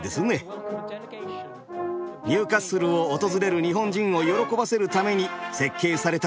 ニューカッスルを訪れる日本人を喜ばせるために設計されたともいわれています。